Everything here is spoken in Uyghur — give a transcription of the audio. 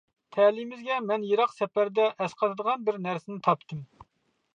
تەلىيىمىزگە مەن يىراق سەپەردە ئەسقاتىدىغان بىر نەرسىنى تاپتىم.